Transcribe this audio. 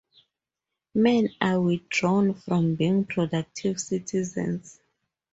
Men are withdrawn from being productive citizens.